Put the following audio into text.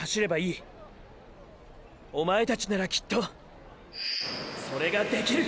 おまえたちならきっとそれができる！！